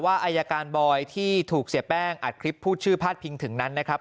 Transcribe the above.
อายการบอยที่ถูกเสียแป้งอัดคลิปพูดชื่อพาดพิงถึงนั้นนะครับ